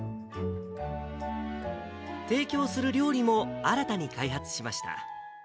提供する料理も新たに開発しました。